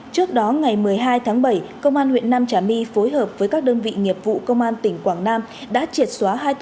trước đó ngày một mươi hai tháng bảy công an huyện nam trà my phối hợp với các đơn vị nghiệp vụ công an tỉnh quảng nam đã triệt xóa hai tụ điểm ghi lô đề